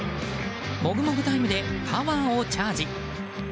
もぐもぐタイムでパワーをチャージ。